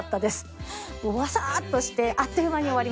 わさーっとしてあっという間に終わりました。